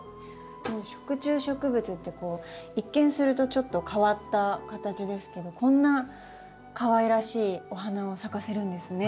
食虫植物ってこう一見するとちょっと変わった形ですけどこんなかわいらしいお花を咲かせるんですね。